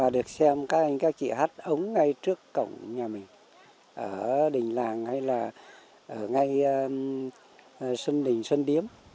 và được xem các anh các chị hát ống ngay trước cổng nhà mình ở đỉnh làng hay là ngay sân đỉnh sân điếm